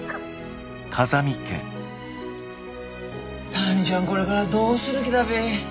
民ちゃんこれからどうする気だべえ。